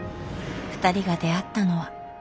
ふたりが出会ったのは。